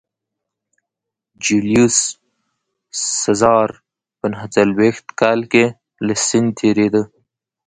جیولیوس سزار په نهه څلوېښت کال کې له سیند تېرېده